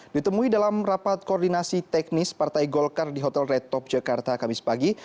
ditemui dalam rapat koordinasi teknis partai golkar di hotel retop jakarta kamis pagi